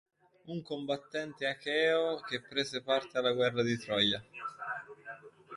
Un combattente acheo che prese parte alla guerra di Troia.